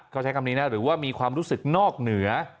เขาใช้คำนี้นะหรือว่ามีความรู้สึกนอกเหนือ